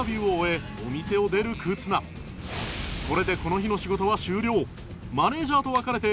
これでこの日の仕事は終了